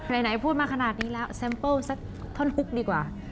ไหนพูดมาขนาดนี้แล้วแซมเปิ้ลสักท่อนฮุกดีกว่า